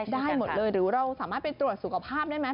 ได้หมดเลยหรือเราสามารถไปตรวจสุขภาพได้ไหม